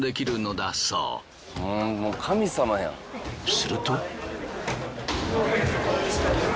すると。